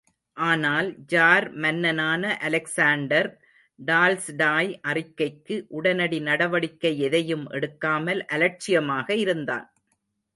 ஆனால், ஜார் மன்னனான Alexander, Tolstoy அறிக்கைக்கு உடனடி நடவடிக்கை எதையும் எடுக்காமல் அலட்சியமாக இருந்தான்.